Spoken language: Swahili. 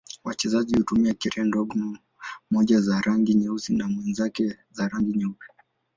Wachezaji hutumia kete ndogo, mmoja za rangi nyeusi na mwenzake za rangi nyeupe.